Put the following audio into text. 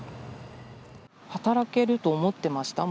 働けると思ってました？